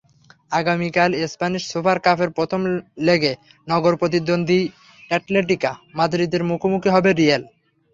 আগামীকাল Spanish super কাপের প্রথম লেগে নগরপ্রতিদ্বন্দ্বী অ্যাটলেটিকো মাদ্রিদের মুখোমুখি হবে রিয়াল।